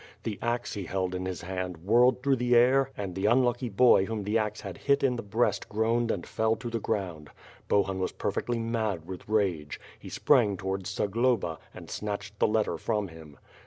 The axe he held in his hand whirled through the air and the un lucky boy whom the axe had hit in the breast groaned and fell to the ground. Bohun was perfectly mad with rage. He sprang towards Zagloba, and snatched the letter from him.